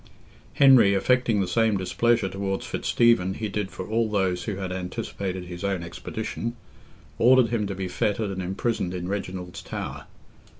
Henry, affecting the same displeasure towards Fitzstephen he did for all those who had anticipated his own expedition, ordered him to be fettered and imprisoned in Reginald's tower.